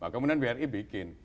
kemudian bri bikin